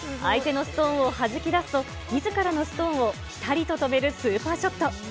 相手のストーンをはじき出すと、みずからのストーンをぴたりと止めるスーパーショット。